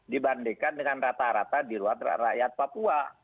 dibandingkan dengan rata rata di luar rakyat papua